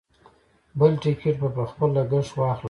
بل ټکټ به په خپل لګښت واخلم.